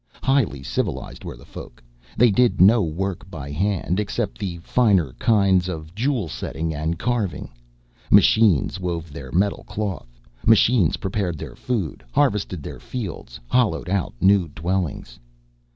Highly civilized were the Folk. They did no work by hand, except the finer kinds of jewel setting and carving. Machines wove their metal cloth, machines prepared their food, harvested their fields, hollowed out new dwellings.